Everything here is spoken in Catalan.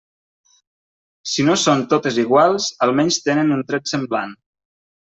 Si no són totes iguals, almenys tenen un tret semblant.